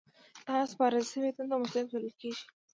دغه سپارل شوې دنده مسؤلیت بلل کیږي.